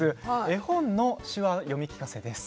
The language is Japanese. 絵本の手話読み聞かせです。